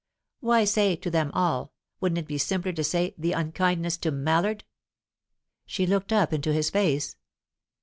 "Why say 'to them all'? Wouldn't it be simpler to say 'the unkindness to Mallard'?" She looked up into his face.